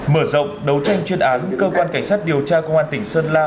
mở rộng đấu tranh chuyên án cơ quan cảnh sát điều tra công an tỉnh sơn la